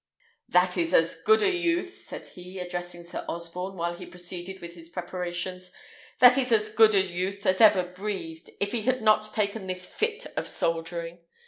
"That is as good a youth," said he, addressing Sir Osborne, while he proceeded with his preparations; "that is as good a youth as ever breathed, if he had not taken this fit of soldiering.